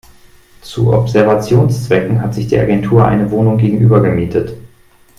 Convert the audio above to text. Zu Observationszwecken hat sich die Agentur eine Wohnung gegenüber gemietet.